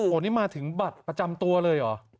โอ้โหนี่มาถึงบัตรประจำตัวเลยเหรอ